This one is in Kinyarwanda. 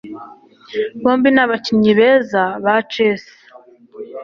bombi ni abakinnyi beza ba chess